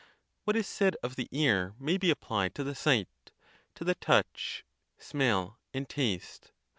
What is said of the ear may be applied to the sight, to the touch, smell, and taste.